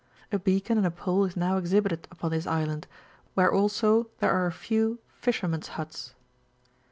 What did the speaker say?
A beacon and a pole is now exhibited upon this island, where also there are a few fishermen^s huts.